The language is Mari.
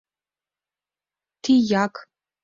Тияк.